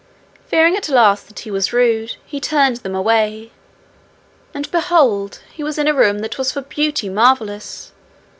Fearing at last that he was rude, he turned them away; and, behold, he was in a room that was for beauty marvellous!